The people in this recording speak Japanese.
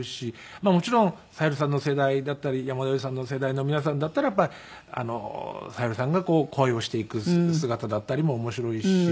まあもちろん小百合さんの世代だったり山田洋次さんの世代の皆さんだったらやっぱり小百合さんが恋をしていく姿だったりも面白いし。